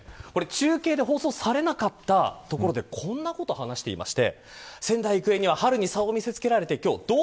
中継で放送されなかったところでこんなことを話していました。